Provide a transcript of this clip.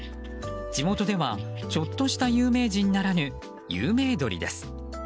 地元ではちょっとした有名人ならぬ有名鳥です。